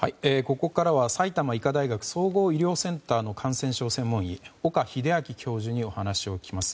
ここからは埼玉医科大学総合医療センターの感染症専門医岡秀昭教授に話を聞きます。